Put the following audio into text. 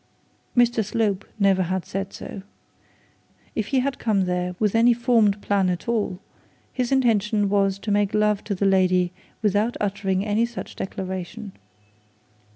Mr Slope never had said so. If he had come there with any formed plan at all, his intention was to make love to the lady without uttering any such declaration.